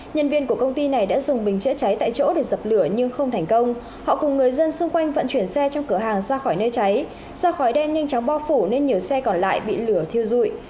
nhân viên của công ty này đã dùng bình chữa cháy tại chỗ để dập lửa nhưng không thành công họ cùng người dân xung quanh vận chuyển xe trong cửa hàng ra khỏi nơi cháy do khói đen nhanh chóng bao phủ nên nhiều xe còn lại bị lửa thiêu dụi